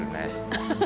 アハハハ！